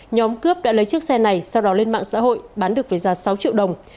nhóm cướp đã lấy chiếc xe này sau đó lên mạng xã hội bán được với giá sáu triệu đồng